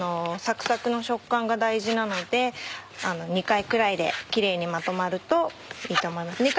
サクサクの食感が大事なので２回くらいでキレイにまとまるといいと思います。